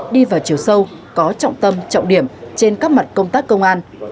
đi vào chiều sâu có trọng tâm trọng điểm trên các mặt công tác công an